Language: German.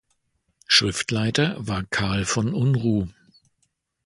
Schriftleiter war Karl von Unruh.